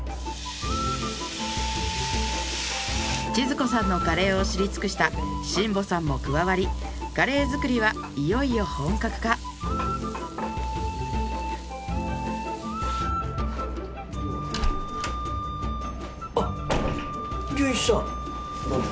千鶴子さんのカレーを知り尽くした新保さんも加わりカレー作りはいよいよ本格化あっ淳一さん。